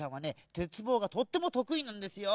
てつぼうがとってもとくいなんですよ。